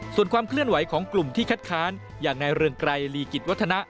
ส่วนความเคลื่อนไหวของกลุ่มที่คัดค้านอย่างในเรืองไกรลีกิจวัฒนะ